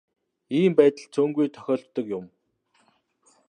Ийм байдал цөөнгүй тохиолддог юм.